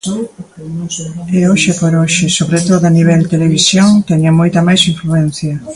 E hoxe por hoxe, sobre todo a nivel televisión, teñen moita máis influencia.